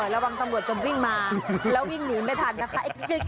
ตำรวจจะวิ่งมาแล้ววิ่งหนีไม่ทันนะคะ